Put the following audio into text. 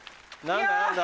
何だ？